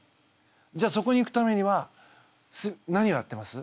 じゃあそこに行くためには何をやってます？